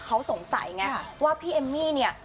เขาสงสัยไงว่าพี่เอมมี่เนี่ย